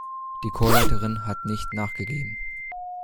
Die Chorleiterin hat nicht nachgegeben.